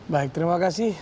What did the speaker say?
baik terima kasih